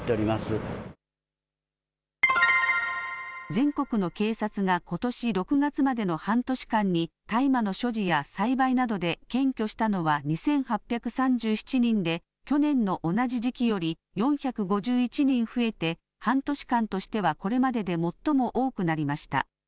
全国の警察がことし６月までの半年間に大麻の所持や栽培などで検挙したのは２８３７人で、去年の同じ時期より４５１人増えて、半年間としてはこれまでで最も多くなりました。